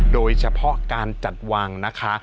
โดยเฉพาะการจัดวางนะคะ